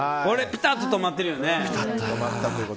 ピタッと止まってるよね。